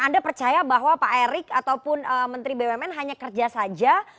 anda percaya bahwa pak erick ataupun menteri bumn hanya kerja saja